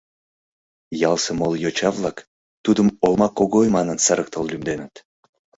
Ялысе моло йоча-влак тудым Олма Когой манын сырыктыл лӱмденыт.